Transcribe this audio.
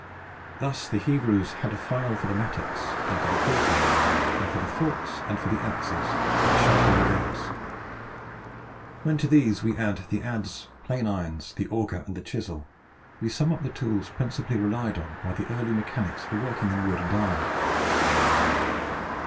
Thus the Hebrews "had a file for the mattocks, and for the coulters, and for the forks, and for the axes, and to sharpen the goads." When to these we add the adze, plane irons, the anger, and the chisel, we sum up the tools principally relied on by the early mechanics for working in wood and iron.